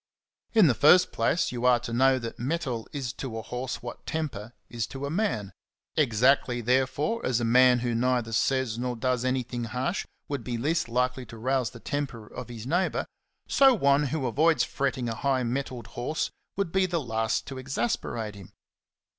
In the first place you are to know that mettle is to a horse what temper is to a man. Exactly, therefore, as a man who neither says nor does anything harsh would be least likely to rouse the temper of his neighbour, so one who avoids fretting a high mettled horse would be the last to exasperate him.